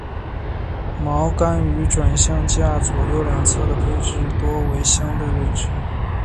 锚杆于转向架左右两侧的配置多为相对位置。